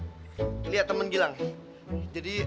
jadi gilang yang ngijinin mereka tinggal di rumah ini dulu ya